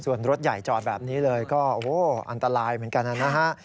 ส่วนรถใหญ่จอดแบบนี้เลยก็โอ้โหอันตรายเหมือนกันนะฮะ